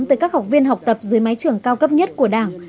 tới các học viên học tập dưới mái trường cao cấp nhất của đảng